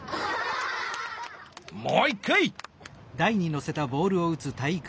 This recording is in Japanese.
もう一回！